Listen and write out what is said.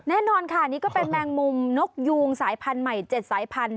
แน่นอนค่ะนี่ก็เป็นแมงมุมนกยูงสายพันธุ์ใหม่๗สายพันธุ